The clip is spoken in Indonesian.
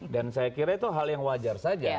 dan saya kira itu hal yang wajar saja